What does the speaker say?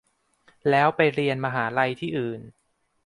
แล้วไปเรียนมหาลัยที่อื่น